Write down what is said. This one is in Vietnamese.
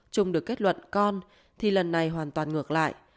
trung được kết luận con thì lần này hoàn toàn ngược lại